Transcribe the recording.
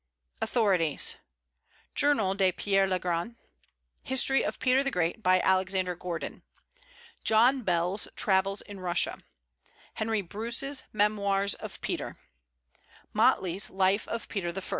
AUTHORITIES. Journal de Pierre le Grand; History of Peter the Great, by Alexander Gordon; John Bell's Travels in Russia; Henry Bruce's Memoirs of Peter; Motley's Life of Peter I.